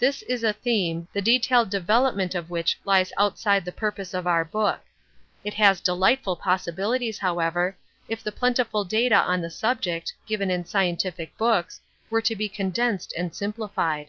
This is a theme, the detailed development of which lies outside the purpose of our book. It has delightful possibilities, however, if the plentiful data on the subject, given in scientific books, were to be condensed and simplified.